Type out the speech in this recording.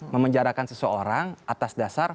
memenjarakan seseorang atas dasar